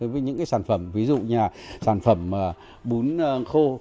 với những sản phẩm ví dụ như sản phẩm bún khô